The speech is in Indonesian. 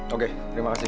oke terima kasih